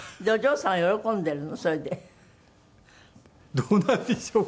どうなんでしょうか。